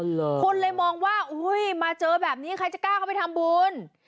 คนเลยมองว่าอุ้ยมาเจอแบบนี้ใครจะกล้าเข้าไปทำบุญ